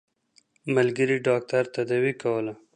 ملګري ډاکټر تداوي کوله.